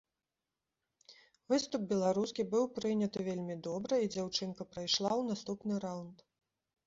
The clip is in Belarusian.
Выступ беларускі быў прыняты вельмі добра, і дзяўчынка прайшла ў наступны раўнд.